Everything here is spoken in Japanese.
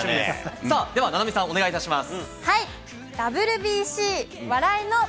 さあ、では菜波さん、お願いします。